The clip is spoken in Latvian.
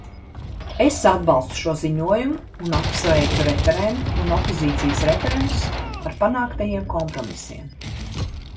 Es atbalstu šo ziņojumu un apsveicu referenti un opozīcijas referentus ar panāktajiem kompromisiem.